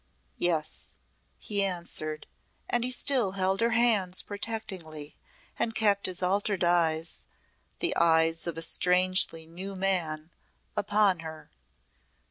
"Yes," he answered, and he still held her hands protectingly and kept his altered eyes the eyes of a strangely new man upon her.